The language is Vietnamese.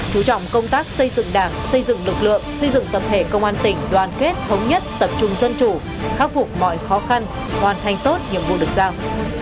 chú trọng công tác xây dựng đảng xây dựng lực lượng xây dựng tập thể công an tỉnh đoàn kết thống nhất tập trung dân chủ khắc phục mọi khó khăn hoàn thành tốt nhiệm vụ được giao